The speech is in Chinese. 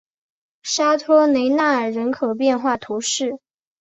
沙托雷纳尔人口变化图示